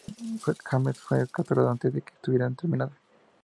James fue capturado antes que estuviera terminada.